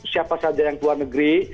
siapa saja yang keluar negeri